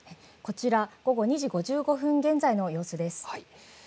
こちら、午後２時５５分現在の様子です。